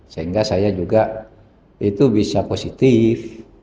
sehingga saya juga itu bisa positif